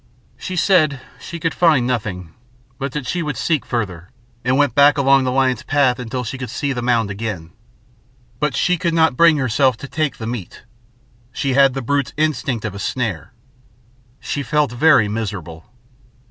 She said she could find nothing, but that she would seek further, and went back along the lion's path until she could see the mound again, but she could not bring herself to take the meat; she had the brute's instinct of a snare. She felt very miserable.